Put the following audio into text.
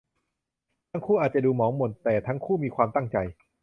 ทั้งคู่อาจจะดูหมองหม่นหม่นแต่ทั้งคู่มีความตั้งใจ